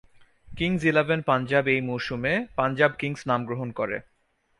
Kings Eleven Punjab এই মৌসুমে Punjab Kings নাম গ্রহণ করে।